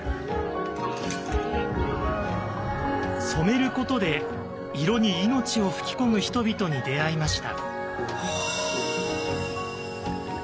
「染めること」で色に命を吹き込む人々に出会いました。